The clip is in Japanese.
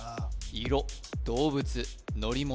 色動物乗り物